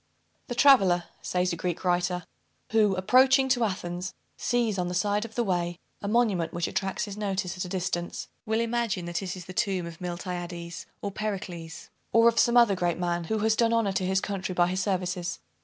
"The traveller," says a Greek writer, "who, approaching to Athens, sees on the side of the way a monument which attracts his notice at a distance, will imagine that it is the tomb of Miltiades or Pericles, or of some other great man, who has done honor to his country by his services.